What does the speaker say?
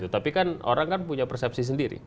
tapi kan orang kan punya persepsi sendiri